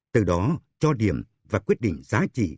từ đó cho điểm và quyết định giá trị